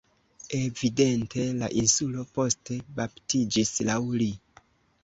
Evidente la insulo poste baptiĝis laŭ li.